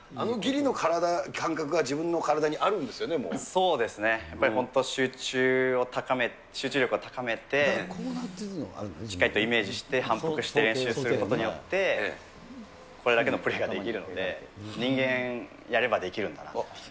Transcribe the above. そうですね、やっぱり本当集中を高めて、集中力を高めて、しっかりとイメージして反復して練習することによって、これだけのプレーができるので、人間、やればできるんだなと。